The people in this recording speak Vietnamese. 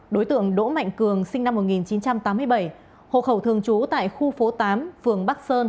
đối tượng đỗ mạnh cường sinh năm một nghìn chín trăm tám mươi bảy hộ khẩu thường trú tại khu phố tám phường bắc sơn